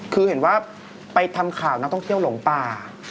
คือเห็นว่าไปทำข่าวนักท่องเที่ยวหลงป่า